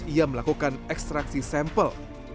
ia melakukan ekstraksi sampel